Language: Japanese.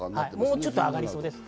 もうちょっと上がりそうです。